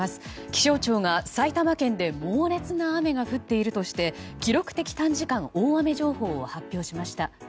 気象庁が埼玉県で猛烈な雨が降っているとして記録的短時間大雨情報を発表しました。